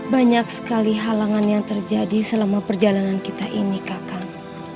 banyak sekali halangan yang terjadi selama perjalanan kita ini kakak